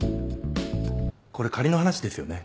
これ仮の話ですよね？